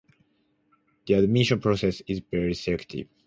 The admissions process is very selective.